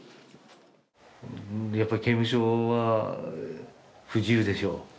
やっぱり刑務所は不自由でしょう？